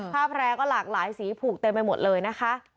แพร่ก็หลากหลายสีผูกเต็มไปหมดเลยนะคะ